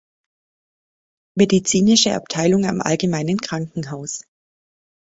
Medizinische Abteilung am Allgemeinen Krankenhaus.